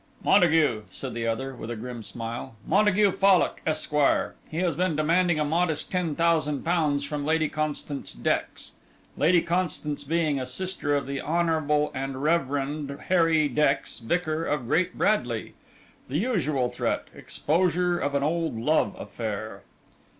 "Montague," said the other, with a grim smile, "Montague Fallock, Esquire. He has been demanding a modest ten thousand pounds from Lady Constance Dex Lady Constance being a sister of the Hon. and Rev. Harry Dex, Vicar of Great Bradley. The usual threat exposure of an old love affair.